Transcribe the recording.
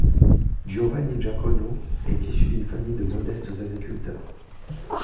Giovanni Jacono est issu d'une famille de modestes agriculteurs.